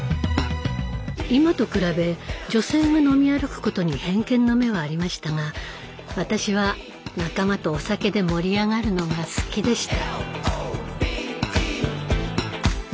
今と比べ女性が飲み歩くことに偏見の目はありましたが私は仲間とお酒で盛り上がるのが好きでした。